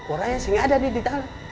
orangnya sih ga ada nih di dalam